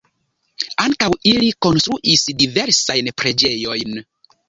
Ankaŭ ili konstruis diversajn preĝejojn.